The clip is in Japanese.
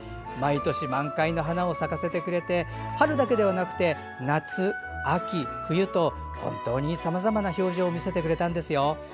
毎年、満開の花を咲かせてくれて春だけではなくて夏、秋、冬と本当にさまざまな表情を見せてくれたんですよ。